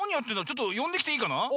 ちょっとよんできていいかな？